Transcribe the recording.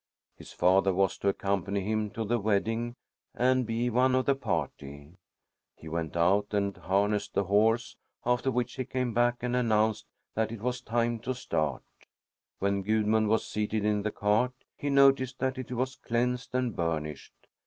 His father was to accompany him to the wedding and be one of the party. He went out and harnessed the horse, after which he came back and announced that it was time to start. When Gudmund was seated in the cart, he noticed that it was cleansed and burnished.